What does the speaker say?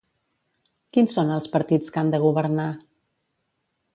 Quins són els partits que han de governar?